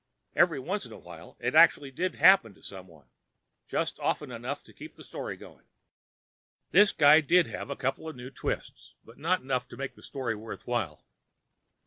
Every once in a while, it actually did happen to someone; just often enough to keep the story going. This guy did have a couple of new twists, but not enough to make the story worthwhile.